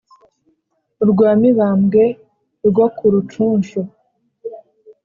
Urwa Mibambwe rwo ku Rucunshu